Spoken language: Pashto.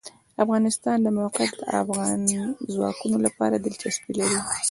د افغانستان د موقعیت د افغان ځوانانو لپاره دلچسپي لري.